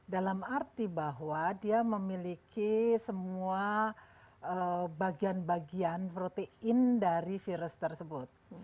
dalam arti bahwa dia memiliki semua bagian bagian protein dari virus tersebut